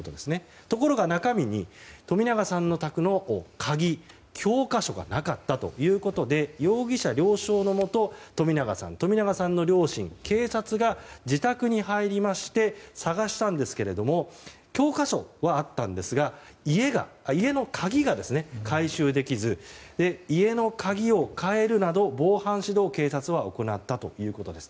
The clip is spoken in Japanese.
ところが、中身に冨永さん宅の鍵、教科書がなかったということで容疑者了承のもと冨永さん、冨永さんの両親警察が自宅に入りまして探したんですけれども教科書はあったんですが家の鍵が回収できず家の鍵を変えるなど防犯指導を警察は行ったということです。